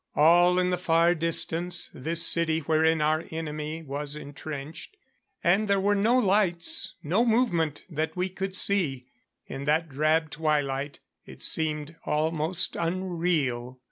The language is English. All in the far distance, this city wherein our enemy was entrenched; and there were no lights, no movement that we could see. In that drab twilight, it seemed almost unreal.